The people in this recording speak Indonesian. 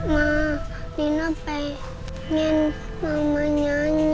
mari kita turunlah bingung